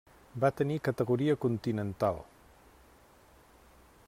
Va tenir categoria continental.